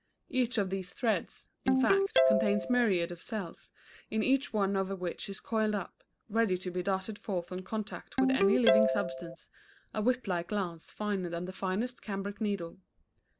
Each of these threads, in fact, contains myriads of cells, in each one of which is coiled up, ready to be darted forth on contact with any living substance, a whip like lance finer than the finest cambric needle.